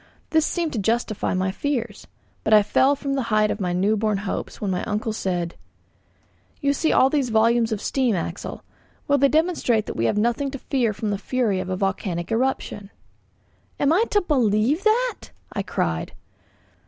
This seemed to justify my fears: But I fell from the height of my new born hopes when my uncle said: "You see all these volumes of steam, Axel; well, they demonstrate that we have nothing to fear from the fury of a volcanic eruption." "Am I to believe that?" I cried.